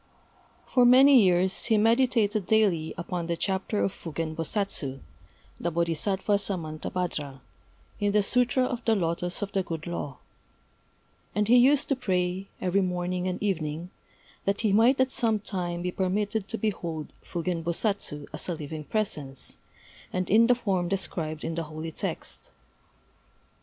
For many years he meditated daily upon the chapter of Fugen Bosatsu [the Bodhisattva Samantabhadra] in the Sûtra of the Lotos of the Good Law; and he used to pray, every morning and evening, that he might at some time be permitted to behold Fugen Bosatsu as a living presence, and in the form described in the holy text.